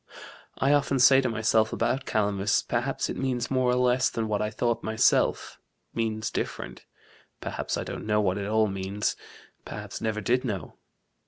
I often say to myself about Calamus perhaps it means more or less than what I thought myself means different: perhaps I don't know what it all means perhaps never did know.